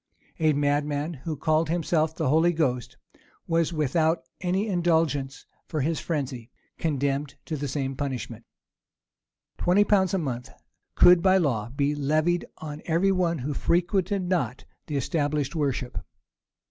A madman, who called himself the Holy Ghost, was without any indulgence for his frenzy, condemned to the same punishment. Twenty pounds a month could, by law, be levied on every one who frequented not the established worship.